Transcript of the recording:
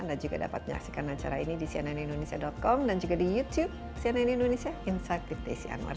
anda juga dapat menyaksikan acara ini di cnnindonesia com dan juga di youtube cnn indonesia insight with desi anwar